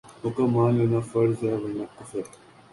حکم مان لینا فرض ہے ورنہ کفر